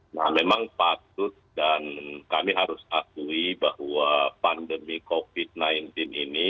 nah memang patut dan kami harus akui bahwa pandemi covid sembilan belas ini